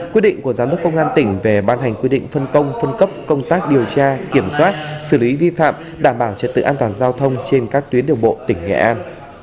quyết định của giám đốc công an tỉnh về ban hành quy định phân công phân cấp công tác điều tra kiểm soát xử lý vi phạm đảm bảo trật tự an toàn giao thông trên các tuyến đường bộ tỉnh nghệ an